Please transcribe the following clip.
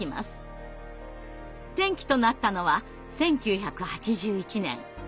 転機となったのは１９８１年。